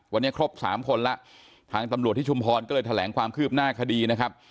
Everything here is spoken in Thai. วันนี้ครบสามคนแล้วทางตำรวจที่ชุมพรก็เลยแถลงความคืบหน้าคดีนะครับ